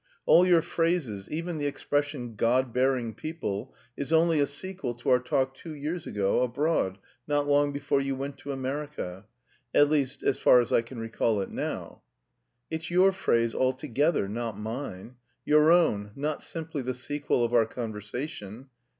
All your phrases, even the expression 'god bearing people' is only a sequel to our talk two years ago, abroad, not long before you went to America. ... At least, as far as I can recall it now." "It's your phrase altogether, not mine. Your own, not simply the sequel of our conversation.